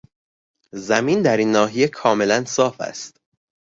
زمین در این ناحیه کاملا صاف است.